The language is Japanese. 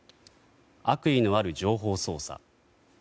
悪意のある情報操作。